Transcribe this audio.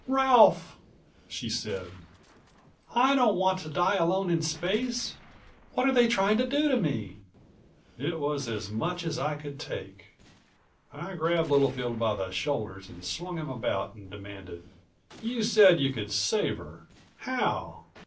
"Ralph!" she said. "I don't want to die alone in space! What are they trying to do to me?" It was as much as I could take. I grabbed Littlefield by the shoulders and swung him about and demanded. "You said you could save her. How?